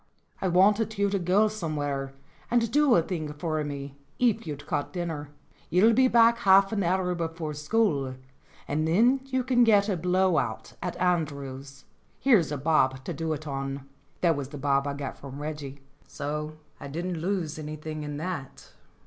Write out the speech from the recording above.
"I wanted you to go somewhere and do a thing for me, if you'd cut dinner. You'll be back half an hour 174 STORIES WITHOUT TEARS before school, and then you can get a blow out at Andrew's. Here's a bob to do it on." That was the bob I got from Reggie; so I didn't lose anything on that.